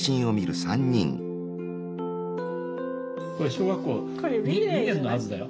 これ小学校２年のはずだよ。